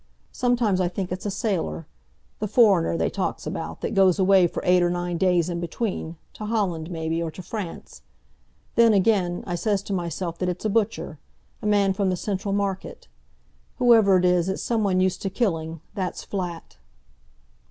Sometimes I think it's a sailor—the foreigner they talks about, that goes away for eight or nine days in between, to Holland maybe, or to France. Then, again, I says to myself that it's a butcher, a man from the Central Market. Whoever it is, it's someone used to killing, that's flat."